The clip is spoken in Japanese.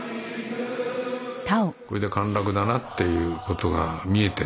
これで陥落だなっていうことが見えて。